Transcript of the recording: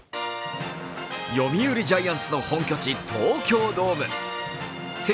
読売ジャイアンツの本拠地東京ドーム。